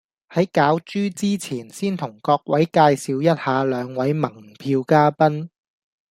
喺攪珠之前先同各位介紹一下兩位盟票嘉賓